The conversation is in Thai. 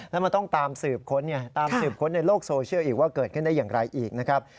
แล้วมันต้องตามสืบค้นไงตามสืบค้นในโลกโซเชียลอีกว่าเกิดขึ้นได้อย่างไรอีกนะครับ